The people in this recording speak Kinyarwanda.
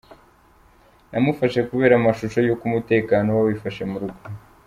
Namufashe kubera amashusho y’uko umutekano uba wifashe mu rugo.